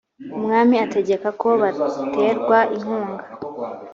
umwami ategeka ko baterwa inkunga